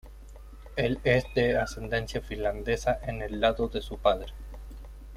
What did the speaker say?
Él es de ascendencia finlandesa en el lado de su padre.